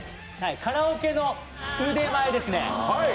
カラオケの腕前ですね。